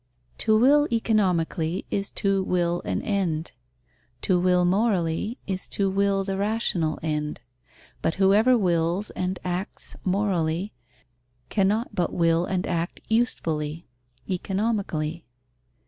To will economically is to will an end; to will morally is to will the rational end. But whoever wills and acts morally, cannot but will and act usefully (economically).